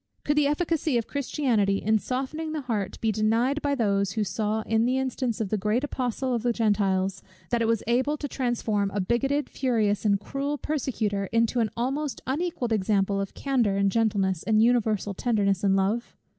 Could the efficacy of Christianity in softening the heart be denied by those, who saw in the instance of the great Apostle of the Gentiles, that it was able to transform a bigotted, furious, and cruel persecutor, into an almost unequalled example of candour, and gentleness, and universal tenderness and love?